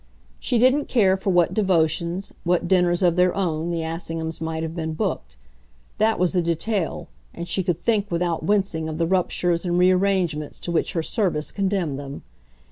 She didn't care for what devotions, what dinners of their own the Assinghams might have been "booked"; that was a detail, and she could think without wincing of the ruptures and rearrangements to which her service condemned them.